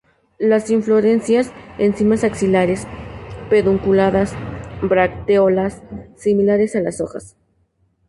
Las inflorescencias en cimas axilares; pedunculadas; bracteolas similares a las hojas.